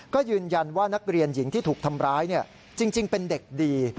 ก็ยืนยันว่านักเรียนหญิงที่ถูกทำร้ายจริงเป็นเด็กดี